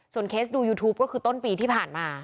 เคสดูยูทูปก็คือต้นปีที่ผ่านมา